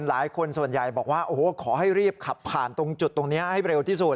หลายคนส่วนใหญ่บอกว่าโอ้โหขอให้รีบขับผ่านตรงจุดตรงนี้ให้เร็วที่สุด